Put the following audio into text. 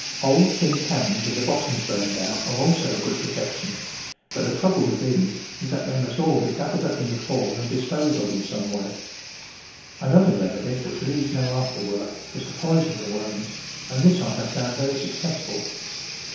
Old tin cans with the bottoms burned out are also a good protection, but the trouble with these is that they must all be gathered up in the fall and disposed of in some way. An TRANSPLANTING other remedy which leaves no after work is to poison the worms, and this I have found very suc cessful.